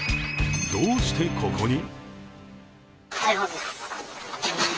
どうしてここに？